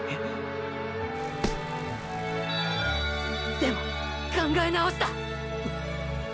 でも考え直した。っ！